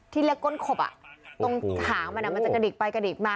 เรียกก้นขบตรงหางมันมันจะกระดิกไปกระดิกมา